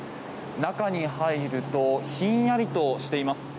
中に入るとひんやりとしています。